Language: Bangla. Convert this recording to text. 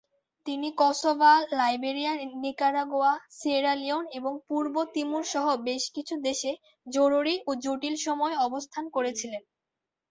তিনি Kosovo, Liberia, Nicaragua, Sierra Leone ও পূর্ব তিমুর সহ বেশ কিছু দেশে জরুরি ও জটিল সময়ে অবস্থান করেছিলেন।